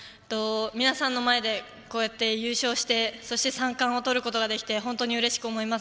皆さんの前でこうやって優勝してそして、三冠を取ることができて本当にうれしく思います。